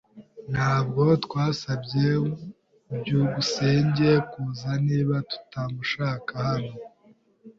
Ntabwo twasabye byukusenge kuza niba tutamushaka hano.